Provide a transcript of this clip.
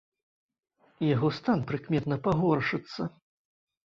Яго стан прыкметна пагоршыцца.